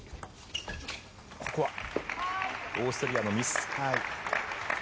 ここはオーストリアのミス。